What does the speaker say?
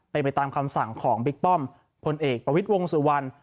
เป็นไปตามคำสั่งของบิ๊กป้อมพลเอกประวิทย์วงสุวรรณ